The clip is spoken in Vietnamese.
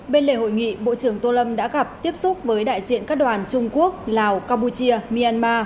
bên lề hội nghị bộ trưởng tô lâm đã gặp tiếp xúc với đại diện các đoàn trung quốc lào campuchia myanmar